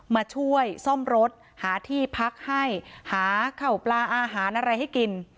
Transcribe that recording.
มาช่วยซ่อมรถหาที่พักให้หาเข่าปลาอาหารอะไรให้กิน